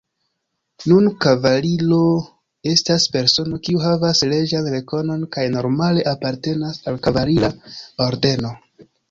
Nun kavaliro estas persono, kiu havas reĝan rekonon kaj normale apartenas al kavalira ordeno.